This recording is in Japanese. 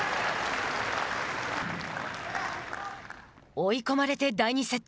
追い込まれて第２セット。